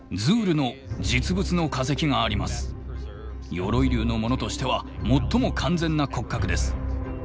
鎧竜のものとしては最も完全な骨格です。